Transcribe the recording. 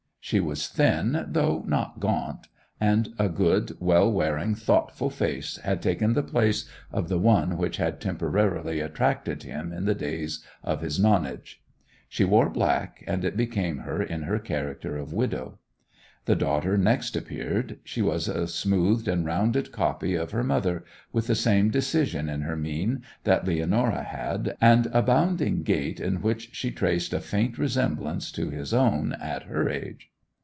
She was thin, though not gaunt; and a good, well wearing, thoughtful face had taken the place of the one which had temporarily attracted him in the days of his nonage. She wore black, and it became her in her character of widow. The daughter next appeared; she was a smoothed and rounded copy of her mother, with the same decision in her mien that Leonora had, and a bounding gait in which he traced a faint resemblance to his own at her age.